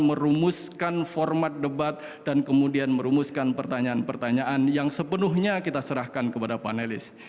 merumuskan format debat dan kemudian merumuskan pertanyaan pertanyaan yang sepenuhnya kita serahkan kepada panelis